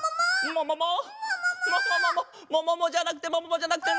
ももも！？もももも。もももじゃなくてもももじゃなくて。